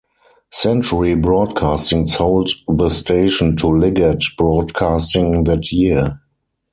Century Broadcasting sold the station to Liggett Broadcasting that year.